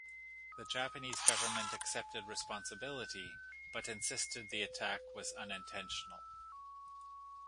The Japanese government accepted responsibility, but insisted the attack was unintentional.